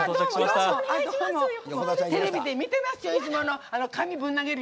テレビで見てますよ。